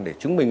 để chứng minh